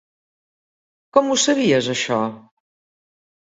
Com ho sabies, això?